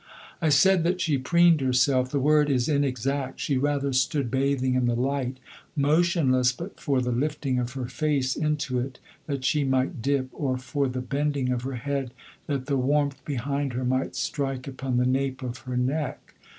I said that she preened herself; the word is inexact. She rather stood bathing in the light, motionless but for the lifting of her face into it that she might dip, or for the bending of her head that the warmth behind her might strike upon the nape of her neck.